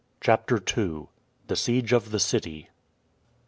CHAPTER II. THE SIEGE OF THE CITY.